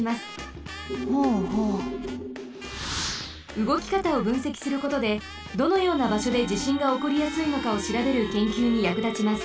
うごきかたをぶんせきすることでどのようなばしょでじしんがおこりやすいのかをしらべるけんきゅうにやくだちます。